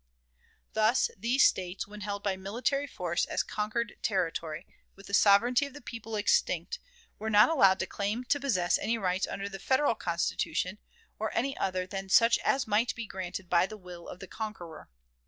Thus these States, when held by military force as conquered territory, with the sovereignty of the people extinct, were not allowed to claim to possess any rights under the Federal Constitution, or any other than such as might be granted by the will of the conqueror.